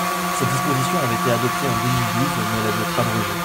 Cette disposition avait été adoptée en deux mille douze, mais elle a dû être abrogée.